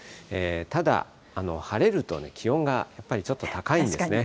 ただ、晴れるとね、気温がやっぱりちょっと高いんですね。